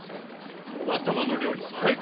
叔母様の料理最高！